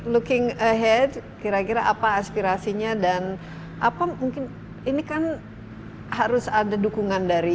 looking ahead kira kira apa aspirasinya dan apa mungkin ini kan harus ada dukungan dari